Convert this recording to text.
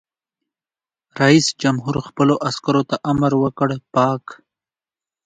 رئیس جمهور خپلو عسکرو ته امر وکړ؛ پاک!